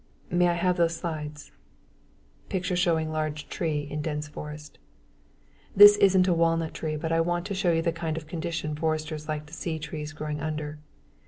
May I have those slides? (Picture showing large tall tree in dense forest.) This isn't a walnut tree, but I want to show you the kind of condition foresters like to see trees growing under.